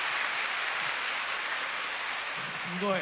すごい。